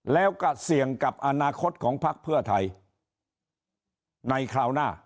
แล้วก็เสี่ยงกับอนาคตของพักเพื่อไทยในคราวหน้า